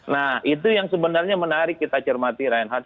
nah itu yang sebenarnya menarik kita cermati reinhardt